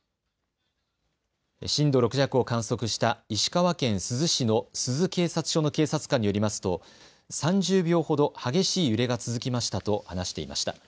震度６弱を観測した石川県珠洲市の珠洲警察署の警察官によりますと３０秒ほど激しい揺れが続きましたと話していました。